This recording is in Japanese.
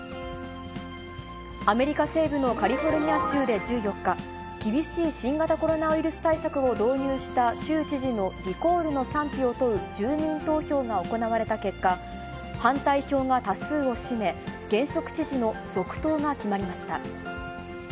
アメリカ西部のカリフォルニア州で１４日、厳しい新型コロナウイルス対策を導入した、州知事のリコールの賛否を問う住民投票が行われた結果、反対票が多数を占め、現職知事の続投が決まりました。